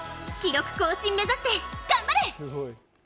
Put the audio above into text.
記録更新目指して頑張れ！